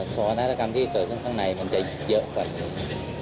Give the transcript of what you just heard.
สถานการณ์ที่เกิดขึ้นข้างในมันจะเยอะกว่านี้